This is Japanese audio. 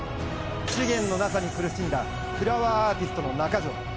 資源のなさに苦しんだ、フラワーアーティストの中城。